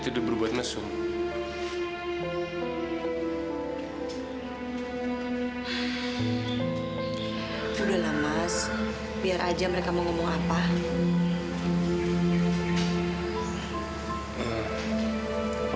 tadi aku hampir dihakimi masalah